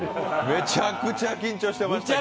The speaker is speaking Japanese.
めちゃくちゃ緊張してましたけど。